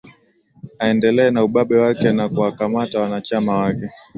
aendelea na ubabe wake na kuwakamata wanachama wake